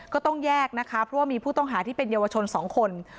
ก็ต้องแยกนะคะเพราะว่ามีผู้ต้องหาที่เป็นเยาวชน๒คน